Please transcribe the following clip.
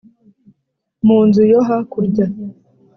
mu nzu yo hakurya.